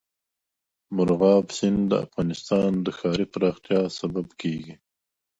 مورغاب سیند د افغانستان د ښاري پراختیا سبب کېږي.